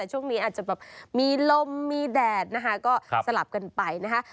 ช่วงนี้อาจจะแบบมีลมมีแดดนะคะก็สลับกันไปนะคะ